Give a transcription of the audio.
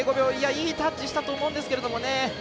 いいタッチしたと思うんですけどね。